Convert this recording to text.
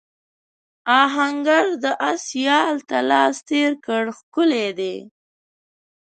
آهنګر د آس یال ته لاس تېر کړ ښکلی دی.